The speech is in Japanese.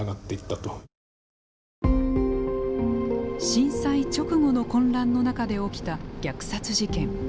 震災直後の混乱の中で起きた虐殺事件。